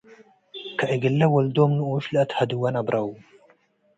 ከእግለ ወልዶም ንኡሽ ለአትሀድወ ነብረው ።